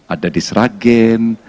ada di sragen